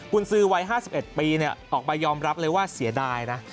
คุณซื้อวัย๕๑ปีออกมายอมรับเลยว่าเสียดายนะ